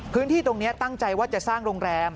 พื้นที่ตรงนี้ตั้งใจว่าจะสร้างโรงแรม